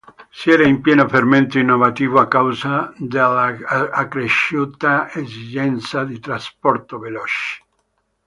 Si era in pieno fermento innovativo a causa dell'accresciuta esigenza di trasporto veloce.